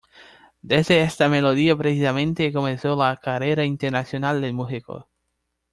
Desde esta melodía precisamente comenzó la carrera internacional del músico.